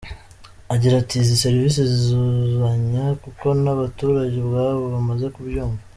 Agira ati “Izi serivise zizuzanya kuko n’abaturage ubwabo bamaze kubyumva.